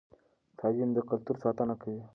تعلیم د کلتور ساتنه کوي.